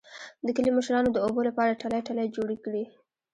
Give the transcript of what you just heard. د کلي مشرانو د اوبو لپاره ټلۍ ټلۍ جوړې کړې